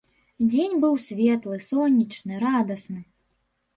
Дзень быў светлы, сонечны, радасны.